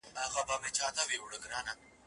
نه پر وږي نه رنځور دي زړه خوږیږي